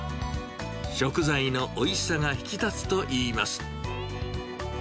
食材のおいしさが引き立つといいます。